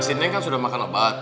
sini kan sudah makan obat